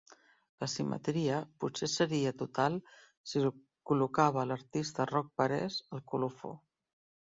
La simetria potser seria total si col·locava l'artista Roc Parés al colofó.